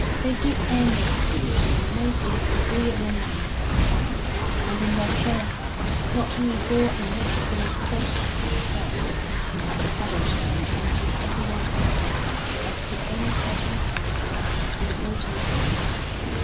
They did endless good in the most disagreeable manner possible; and in their fervour not only bore unnecessary crosses themselves, but saddled them on to everyone else, as the only certain passport to the Golden City.